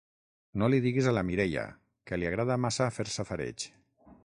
No li diguis a la Mireia, que li agrada massa fer safareig.